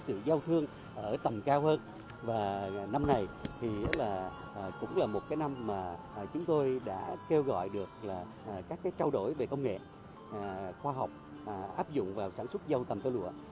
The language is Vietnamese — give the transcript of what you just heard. sự giao thương ở tầm cao hơn năm này cũng là một năm chúng tôi đã kêu gọi được các trao đổi về công nghệ khoa học áp dụng vào sản xuất giao tầm tơ lụa